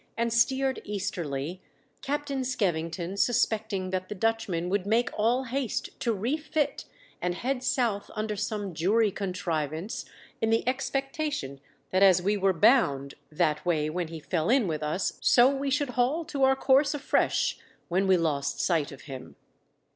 and steered easterly, Captain Skevington suspect ing that the Dutchman would make all haste to refit and head south under some jury con trivance, in the expectation that as we were bound that way when he fell in with us so we should haul to our course afresh when we lost sight of him.